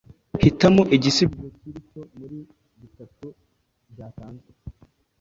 Hitamo igisubizo kiri cyo muri bitatu byatanzwe: